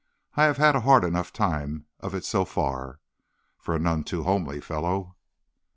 I have had a hard enough time of it so far, for a none too homely fellow.'